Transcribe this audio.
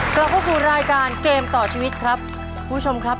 กลับเข้าสู่รายการเกมต่อชีวิตครับคุณผู้ชมครับ